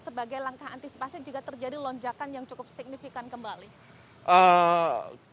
sebagai langkah antisipasi jika terjadi lonjakan yang cukup signifikan kembali